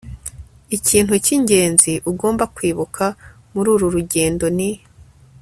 ikintu cy'ingenzi ugomba kwibuka muri uru rugendo ni